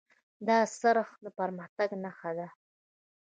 دا څرخ د پرمختګ نښه ده.